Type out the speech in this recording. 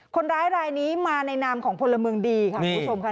คนร้ายรายนี้มาในนามของพลเมืองดีค่ะคุณผู้ชมค่ะ